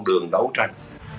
đường đấu tranh